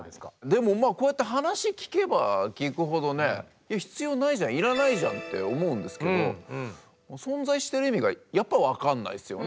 でもこうやって話聞けば聞くほどね必要ないじゃんいらないじゃんって思うんですけど存在してる意味がやっぱ分かんないっすよね。